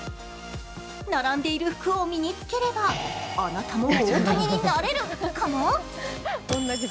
並んでいる服を身に着ければあなたも大谷になれるかも？